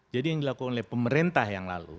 jadi yang dilakukan oleh pemerintah yang lalu